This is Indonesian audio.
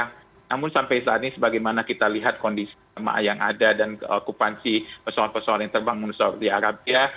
namun sampai saat ini sebagaimana kita lihat kondisi jemaah yang ada dan okupansi pesawat pesawat yang terbangun di arabia